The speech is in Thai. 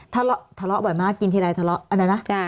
ถ้าทะเลาะบ่อยมากกินทีไรทะเลาะอันไหนนะ